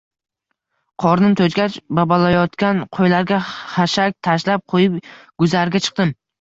Qornim to‘ygach, babalayotgan qo‘ylarga xashak tashlab qo‘yib, guzarga chiqdim